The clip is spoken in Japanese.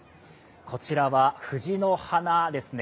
こちらは藤の花ですね。